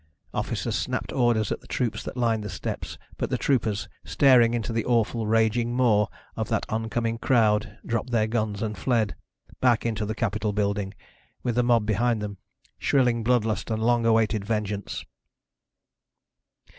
Officers snapped orders at the troops that lined the steps, but the troopers, staring into the awful, raging maw of that oncoming crowd, dropped their guns and fled, back into the capitol building, with the mob behind them, shrilling blood lust and long awaited vengeance.